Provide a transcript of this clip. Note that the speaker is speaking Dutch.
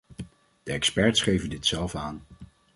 De experts geven dit zelf aan.